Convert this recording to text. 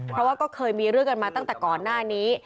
เพราะว่าก็เคยมีเรื่องกันมาตั้งแต่ก่อนหน้านี้